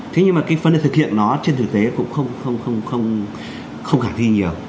thế nhưng mà cái phấn đề thực hiện nó trên thực tế cũng không khả thi nhiều